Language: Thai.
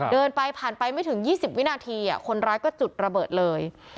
เดินไปผ่านไปไม่ถึง๒๐วินาทีคนร้ายก็จุดระเบิดเลย